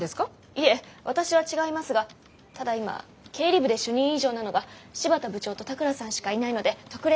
いえ私は違いますがただ今経理部で主任以上なのが新発田部長と田倉さんしかいないので特例で。